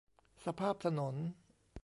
สภาพถนน